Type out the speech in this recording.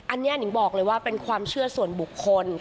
อันนี้หนิงบอกเลยว่าเป็นความเชื่อส่วนบุคคล